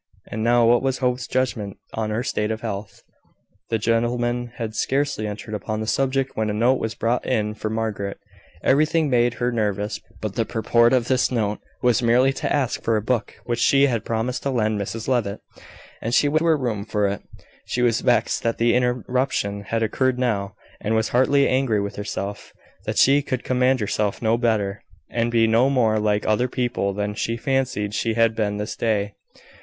And now, what was Hope's judgment on her state of health? The gentlemen had scarcely entered upon the subject when a note was brought in for Margaret. Everything made her nervous; but the purport of this note was merely to ask for a book which she had promised to lend Mrs Levitt. As she went up to her room for it, she was vexed that the interruption had occurred now; and was heartily angry with herself that she could command herself no better, and be no more like other people than she fancied she had been this day.